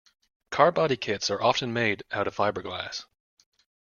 Car body kits are often made out of fiberglass.